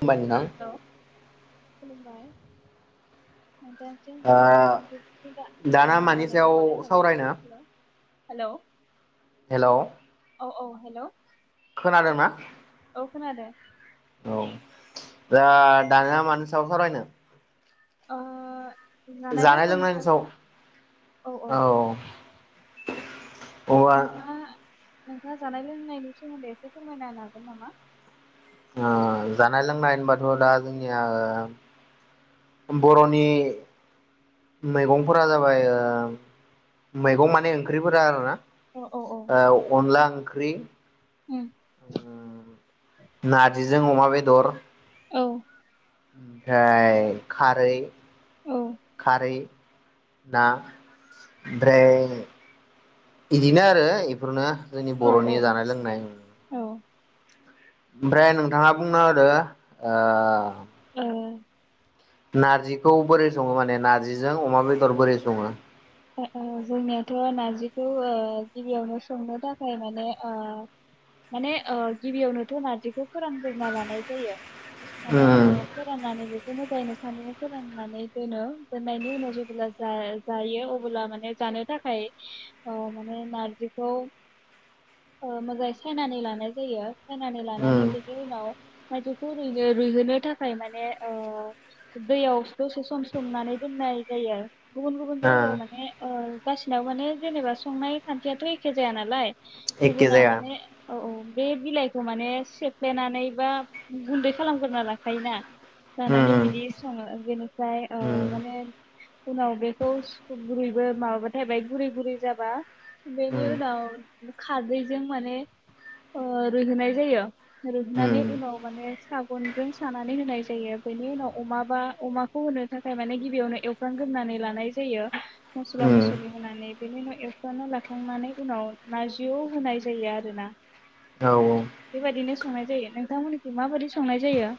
खुलुमबाय नोंथां हेलौ [unintelligible] [unintelligible] ओ दाना मानि गाहामलायनायखौ सायाव बनाय जाबाय सावरायनो हेल' हेल' हेल' औ औ हेल' खोनादोंना [unintelligible] औ दा दानिया मानो सायाव सावरायनो ओ जानाय लोंनायनि सायावसो औ औ औ अबा ओ नोंथाङा नोंथाङा जानाय लोंनायनि सोमोन्दै एसे फोरमायना हागोन नामा जानाय लोंनाय होनबाथ' दा जोंनिया बर'नि मैगंफोरा जाबाय मैगं माने ओंख्रिफोरा आरोना औ औ औ अनला ओंख्रि उम नारजि जों अमा बेदर औ ओमफ्राय खारै औ खारै ना ओमफ्राय बिदिनो आरो बेफोरनो जोंनि औ बर'नि औ जानाय लोंनाय औ ओमफ्राय नोंथाङा बुंना होदो ओ नार्जिखौ बोरै सङो माने नार्जिजों अमा बेदर बोरै सङो जोंनियाथ' नार्जिखौ गिबियावनो संनो थाखाय माने माने गिबियावनोथ' नार्जिखौ फोरानग्रोना लानाय जायो माने उम ओ फोराननानै मोजाङैनो सान्दुं फोराननानै दोनो दोननायनि उनाव जेब्ला जायो अनला माने जानो थाखाय माने नारजिखौ मोजाङै सायनानै लानाय जायो खोनानानै उम लानानै बिनि उनाव आाइजौखौ रुइनो रुइहोनो थाखाय माने दैयाव दसे सम सोमनानै दोननाय जायो आरो गुबुन गुबुन ओ जायगायाव मान माने गाासिनावबो माने जेनेबा संनाय खान्थियाथ' एखे जाया नालाय एखे गुबुना जाया माने औ औ बे बिलाइखौ माने सेफ्लेनानै बा गुन्दै खालामगोरोना लाखायोना जानानै उम बिदि सङो बेनिफ्राय उम माने उनाव बेखौ गुरैबो माबाबा थाबाय गुरै गुरै जाबा बेनि उम उनाव खारैजों माने रुयहोनाय जायो रुयहोनानै उम उनाव माने सागनजों सानानै होनाय जायो बेनि उनाव अमाबा अमाखौ होनो थाखाय माने गिबियावनो एवफ्रामगोरनानै लानाय जायो मस्ला उम मस्लि होनानै बेनि उनाव एवफ्रांनानै लाखांनानै उनाव नारजियाव होनाय जायो आरोना औ औ बेबायदिनो संनाय जायो नोंथांमोननिखै माबादि संनाय जायो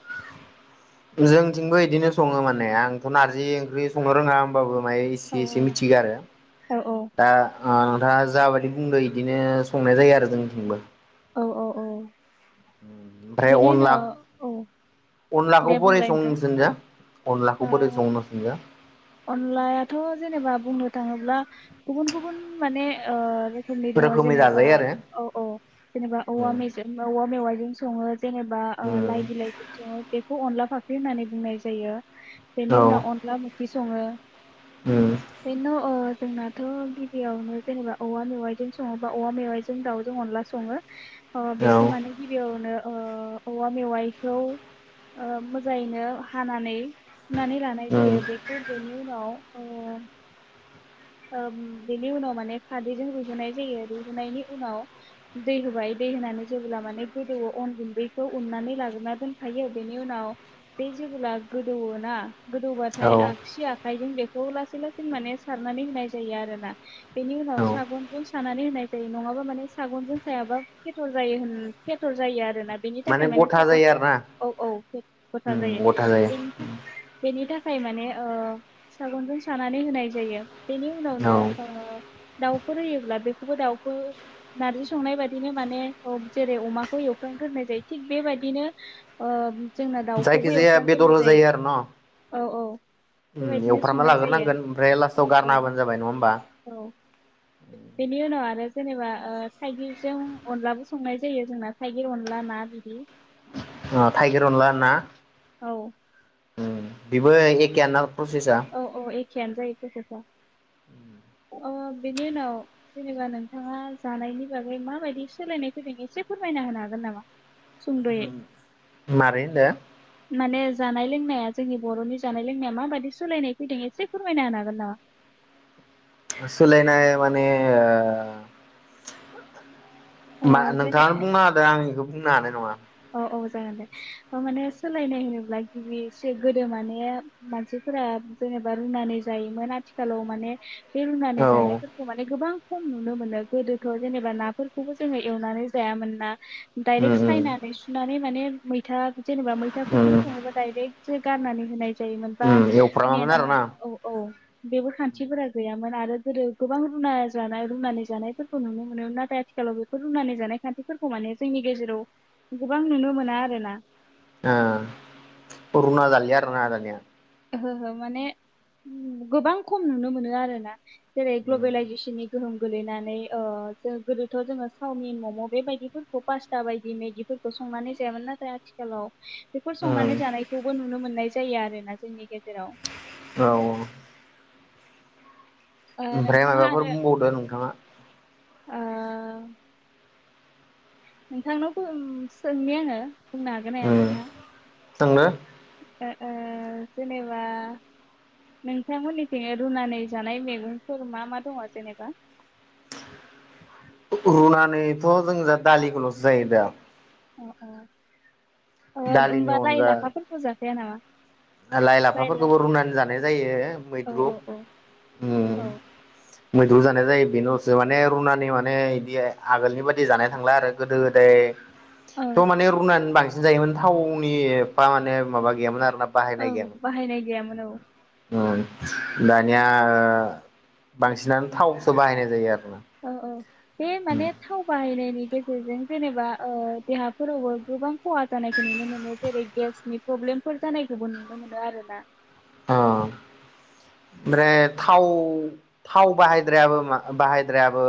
जोंथिंबो बिदिनो सङो माने आंथ' नारजि ओंख्रि संनो रोङा होमबाबो माय औ एसे एसे मिथिगौ आरो औ औ दा नोंथाङा जाबायदि बुंदों बिदिनो संनाय जायो आरो जोंनिथिंबो औ औ औ ओमफ्राय बेनि अनला उनाव औ अनलाखौ दे बोरै बुंलाय सङो नोंथां नोंसोरनिजा अनलाखौ ओ बोरै सङो नोंसोरनिजा अनलायाथ' जेनेबा बुंनो थाङोब्ला गुबुन गुबुन माने रोखोमनि दङ रोखोमै जेनेबा जाजायो आरो औ औ जेनेबा औवा उम मेजेम बा औवा मेवाइजों सङो जेनेबा उम लाइ बिलाइजों सङो बेखौ अनला फाख्रि होननानै बुंनाय जायो बेनि औ उनाव अनला सङो उम बेनो जोंनाथ' गिबियावनो जेनेबा औवा मेवाइजों सङो बा औवा मेवाइजों दाउजों अनला सङो अ औ बेखौ माने गिबियावनो औवा मेवाइखौ मोजाङैनो हानानै सुनानै लानाय उम जायो बे बेनि उनाव बेनि उनाव माने खारैजों रुयहोनाय जायो रुयहोनायनि उनाव दै होबाय दै होनानै जेबोब्ला माने गोदौवो अन गुन्दैखौ उननानै लाग्रोना दोनखायो बेनि उनाव बे जेबोब्ला गोदौवोना गोदौबाथाय औ आगसि आखायजों बेखौ लासै लासै माने नानै होनाय जायो आरो ना बेनि उनाव औ सागनजों सानानै होनाय जायो नङाबा माने सागनजों सायाबा फेथर होनो जायो आरोना [unintelligible] माने गथा जायो आरो ना उम गथा जायो सागनजों सानानै होनाय जायो बेनि उनावनो औ ओ दाउफोर होयोब्ला बेखौबो दाउखौ नारजि संनाय बाददिनो माने जेरै अमाखौ एवफ्रामग्रोनाय जायो थिग बेबायदिनो जोंना दाउखौबो जायखिजाया बेदर एवफ्रामग्रोनाय होजायो आरो न' जायो औ औ उम बेबायदिनो एवफ्रामना संनाय जायो लाग्रोनांगोन ओमफ्राय लास्टाव गार औ होबानो जाबाय नङा होमबा औ बेनि उनाव आरो जेनेबा ओ थाइगिरजों अनलाबो संनाय जायो जोंना थाइगिर अनला ना बिदि अ थाइगिर अनला ना औ बिबो एखेआनो ना प्रसेसा औ औ एखेयानो जायो प्रसेसा अ बेनि उनाव जेनेबा नोंथाङा जानायनि बागै माबायदि सोलायनाय फैदों एसे फोरमायना होनो हागोन नामा सुंद'यै मारै होनदो माने जानाय लोंनाया जोंनि बर'नि जानाय लोंनाया माबायदि सोलायनाय फैदों एसे फोरमायना होन हागोन नामा सोलायनाय माने ओ ओ मा जेरै नोंथाङानो बुंनो होदो आं इखो बुंनो हानाय नङा औ जागोन दे माने सोलायनाय होनोब्ला गिबि गोदो माने मानसिफोरा जेनेबा रुनानै जायोमोन आथिखालाव माने बे रुनानै औ जानायफोरखौ माने गोबां खम नुनो मोनो गोदोथ' जेनेबा नाफोरखौबो जोङो एवनानै जायामोन ना उम डाइरेक्ट सायना उम सुनानै माने मैथा जेनेबा मैथाफोरजों उम सङोबा डाइरेक्ट सो‌ गारनानै होनाय जायो मोन बा उम एवफ्रामामोन नेनो हाया आरोना औ औ बेबो खान्थिफोरा गैया मोन आरो गोदो गोबां रुना जानाय रुनानै जानायफोरखौ नुनो मोनोम नाथाय आथिखालाव बेफोर रुनानै जानाय खान्थिफोरखौ माने जोंनि गेजेराव गोबां नुनो मोना आरोना आ रुना जालिया आरोना दानिया ओहो ओहो माने गोबां खम नुनो मोनो आरो ना जेरै उम ग्लबेलायजेसननि गोहोम गोलैनानै ओ जों गोदोथ' जोङो सावमिन मम' बेबायदिफोरखौ पास्ता बायदि मेगिफोरखौ संनानै जायामोन नाथाय आथिखालाव बेफोर संनानै उम जानायखौबो नुनो मोननाय जायो आरो ना जोंनि गे औ औ ओ ओमफ्राय नोंथाङा माबाफोर आरो बुंबावदो नोंथाङा ओ नोंथांनाव बो सोंनि‌ आङो बुंनो हागोन ना हाया उम नोंथां जोंनो ओ ओ जेनेबा नोंथांमोननिथिं रुनानै जानाय मैगंफोर मा मा दङ जेनेबा रुनानैथ' जों जा दालिखौल'सो जायो दा अ अ ओ दालिनि होमबा लाय अनगा लाफाफोरबो जाखाया नामा लाइ लायला लाफाफोरखौबो रुनानै जानाय जायो औ मैद्रु औ औ उम मैद्रु जानाय जायो बेनोसो माने रुनानि माने इदि आगोलनि बायदि जानाय थांला आरो गोदो गोदाय औ त माने रूनानै‌ बां सिन जायोमोन थावनि पा माने माबा गैयामोन आरोना बाहायनाय ओं गैयामोन बाहायनाय गैयामोन औ उम दानिया ओ बांसिनानो थावसो बाहायनाय जायो आरो अ औ बे माने थाव बाहाय नायनि गेजेरजों जेनेबा ओ देहाफोरावबो गोबां खहा जानायखौ नुनो मोनो जेरै गेसनि प्रब्लेमफोर जानायखौबो नुनो मोनो आरो ना अ ओमफ्राय थाव थाव बाहायद्रायाबो बाहायद्रायाबो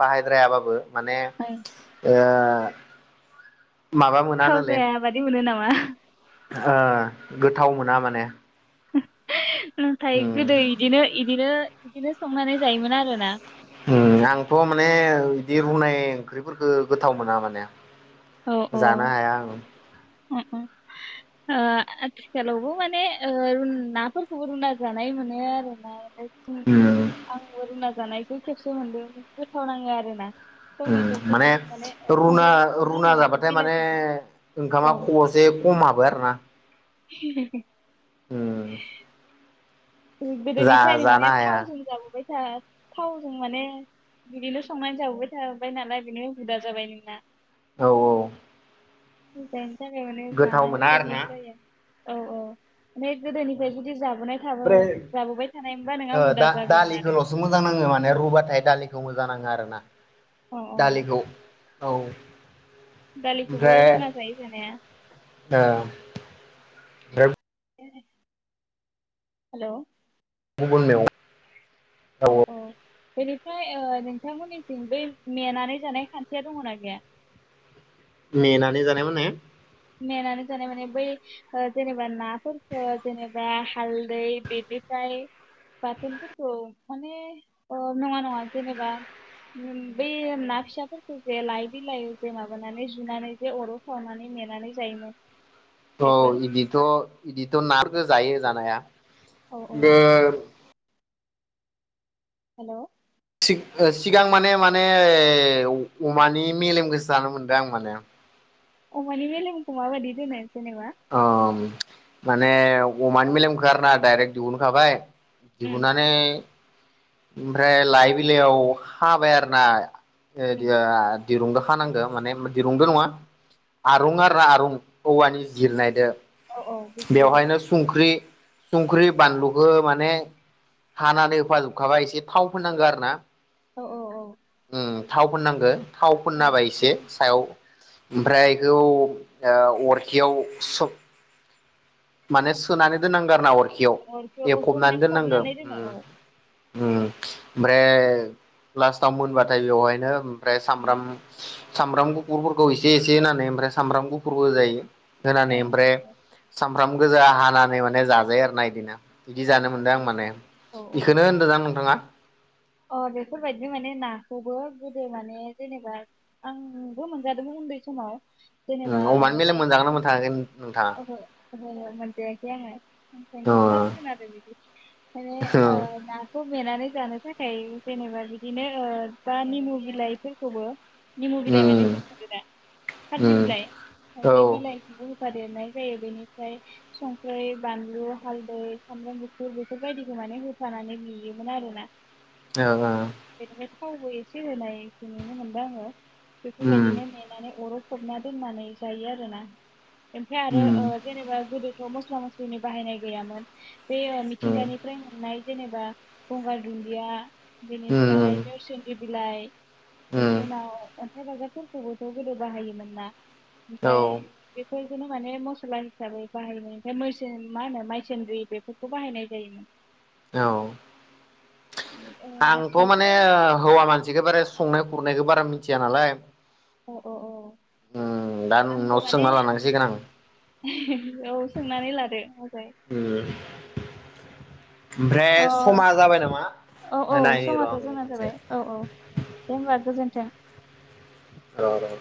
बाहायद्रायाबाबो माने ओं, ओ माबा मोनानोले मा ओ गोथाव मोना माने [unintelligible] नाथाय उम गोदो इदिनो इदिनो इदिनो संनानै जायोमोन आरोना उम आंथ' माने बे रुनाय ओंख्रिफोरखौ गोथाव मोना माने आं औ औ जानो हाया आङो आथिखालावबो माने नाफोरखौबो रुना जानाय मोनो आरो ना माने उम आंबो रोंना जानाय बे खेबसे मोनदों गोथाव नाङो आरोना टमेट'फोरजों माने रुना फान्थाव मा रुना होनो बेखौ जाबाथाय माने बिलाथिजों ओंखामा खबसे खम हाबो आरो ना ए [inaudible] उम जा गोदोनिफ्रायनो जानो माने हाया थावजों जाबोबाय आ थावजों माने बिदिनो संनानै जाबोबाय थोबाय नालाय बिनिनो हुदा जाबाय नोंना औ औ [unintelligible] [unintelligible] गोथाव जानायाव मोना आरोना प्रब्लेम जायो औ औ ओमफ्राय गोदोनिफ्राय जुदि जाबाय फ्राय हुदा दा जागौमोन आरो दालिखौल'सो मोजां नाङो माने रुबाथाय दालि मोजां नाङो आरो ना अ अ दालिखौ औ दालिखौबो रुना जायो जानाया दा [unintelligible] हेलौ [unintelligible] औ औ बेनिफ्राय नोंथांमोननिथिं बै मेनानै जानाय खान्थिया दङना गैया मेनानै जानाय माने मेनानै जानाय माने बै जेनेबा नाफोरखौ जेनेबा हालदै बेनिफ्राय बाथोनफोरखौ माने नङा नङा जेनेबा बै ना फिसाफोरखौ जे लाइ बिलाइ जे माबानानै जुनानै जे अराव सावनानै मेनाय नानै जायोमोन औ बिदिथ' बिदिथ' नाफोरखौ जायो जानाया औ औ बे हेल' सिगां माने माने अमानि मेलेम खोसो जानो मोनदों आं माने अमानि मेलेमखौ माबादि दे नाय जेनेबा औ माने अमानि मेलेमखो आरोना डाइरेक्ट दिहुनखाबाय उम दिहुननानै ओमफ्राय लाइ बिलाइयाव हाबाय आरोना [unintelligible] उम दिरुंजो खानांगो माने उम दिरुंदो नङा आरुं आरो ना आरुं औवानि जिरनायदो औ औ बुजिदो दे बेवहायनो सुं ख्रि संख्रि बानलुखौ माने हानानै होफाजोबखाबा एसे थाव फोननांगौ आरो ना औ औ औ उम थाव फोननांगो थाव फोनना औ होबाय एसे सायाव ओमफ्राय एखौ ओ अरखियाव सब माने सोनानै दोननांगो आरोना अरखि अरखौ अरखौ माने एफबनानै दोननांगो फबनानै उम दोनो ओम ओमफ्राय लास्टाव मोनबाथाय बेवहायनो ओमफ्राय सामब्राम सामब्राम गुफुरफोरखौ एसे एसे होनानै ओमफ्राय सामब्राम गुफुरबो होजायो होनानै ओमफ्राय ओंखाम गोजा हानानै माने जाजायो आरो ना इदिना बिदि औ ओ औ जानो मोनदों आं माने औ इखोनो होनदों ना नोंथाङा अ बेफोरबायदि माने नाखौबो गोदो माने जेनेबा आंबो मोनजादोंमोन उन्दै समाव जेनेबा अमानि ओ मेलेम लाइ मोनजागोना मोनथाङाखै नोंथाङा [unintelligible] मोनजायाखै आङो ओंखायनो फार्स‌ अ खोनादों आरो बिदि नाखौ मेनानै जानो थाखाय थाखाय जेनेबा बिदिनो ओ दा निमु बिलाइफोरखौबो निमु बिलाइ माने उम बुजिदो दा खारजि उम बिलाइ औ बे ओ बिलाइखौबो होफादेरनाय जायो बेनिफ्राय संख्रै बानलु हालदै सामब्राम गुफुर बेफोरबायदिखौ माने होफानानै जुयोमोन आरोना ओं ओं ओं बेनिफ्राय थावबो एसे होनायखौ नुनो मोनदों आङो उम बेफोरबायदिनो मेनानानै अराव फबना दोननानै जायो आरोना ओमफ्राय आरो उम ओ जेनेबा गोदो मस्ला मस्लिनि बाहायनाय गैयामोन बे ओ उम मिथिंगानिफ्राय मोननाय जेनेबा गंगार दुन्दिया उम बिनिफ्राय नोरसोन लाइ उम ओमफ्राय बेफोरजोंनो माने मस्ला हिसाबै बाहायनाय ओमफ्राय मैसो मा होनो मायसोनद्रि बेफोरखौ बाहायनाय जायोमोन औ ओ आंथ' आथिखालथ' मान खुरनायखौ बारा मिथिया नालाय औ औ औ उम दा नोंनाव सोंना लानांसिगोन आं आं उम ओमफ्राय समा जाबाय नामा औ औ नायनायनि र' समाथ' आं जोंना खनसे जाबाय औ औ दे होमबा गोजोन्थों र